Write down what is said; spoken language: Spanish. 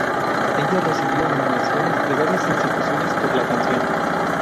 Ella recibió nominaciones de varias instituciones por la canción.